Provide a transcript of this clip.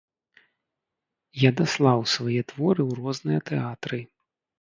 Я даслаў свае творы ў розныя тэатры.